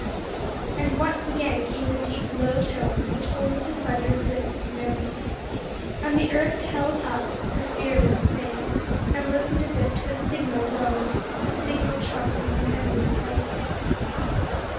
And once and again came the deep, low tone Which only to thunder's lips is known, And the earth held up her fearless face And listened as if to a signal blown, A signal trump in some heavenly place.